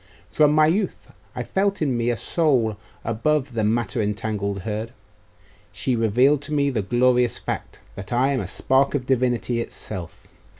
From my youth I felt in me a soul above the matter entangled herd. She revealed to me the glorious fact, that I am a spark of Divinity itself.